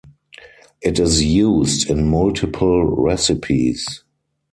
It is used in multiple recipes.